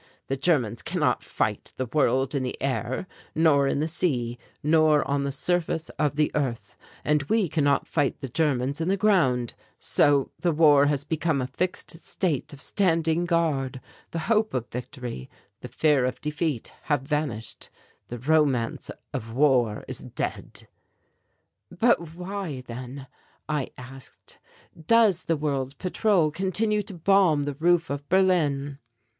The Germans cannot fight the world in the air, nor in the sea, nor on the surface of the earth; and we cannot fight the Germans in the ground; so the war has become a fixed state of standing guard; the hope of victory, the fear of defeat have vanished; the romance of war is dead." "But why, then," I asked, "does the World Patrol continue to bomb the roof of Berlin?"